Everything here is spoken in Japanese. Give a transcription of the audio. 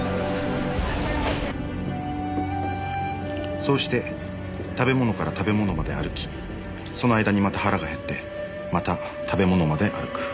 そうして食べ物から食べ物まで歩きその間にまた腹が減ってまた食べ物まで歩く。